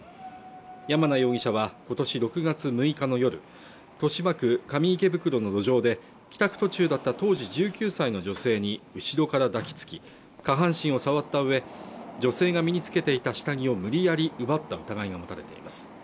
山名容疑者はことし６月６日の夜豊島区上池袋の路上で帰宅途中だった当時１９歳の女性に後ろから抱きつき下半身を触ったうえ女性が身に着けていた下着を無理やり奪った疑いが持たれています